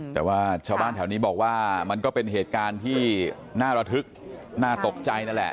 แต่ว่าชาวบ้านแถวนี้บอกว่ามันก็เป็นเหตุการณ์ที่น่าระทึกน่าตกใจนั่นแหละ